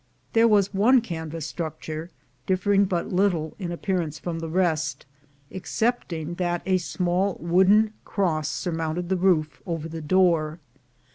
There was one canvas structure, differing but little in appearance from the rest, excepting that a small wooden cross surmounted the roof over the door.